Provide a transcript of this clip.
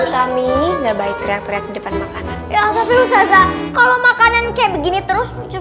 kalau makanan kayak begini terus